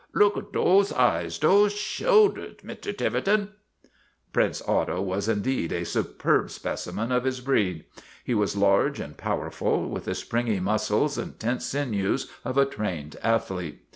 Look at dose eyes, dose shoulders, Mr. Tiverton !' Prince Otto was indeed a superb specimen of his breed. He was large and powerful, with the springy muscles and tense sinews of a trained ath lete.